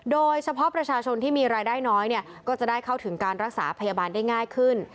โดยเฉพาะประชาชนที่มีรายได้น้อยก็จะได้เข้าถึงการรักษาพยาบาลได้ง่ายขึ้น